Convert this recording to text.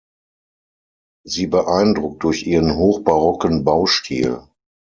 Sie beeindruckt durch ihren hochbarocken Baustil.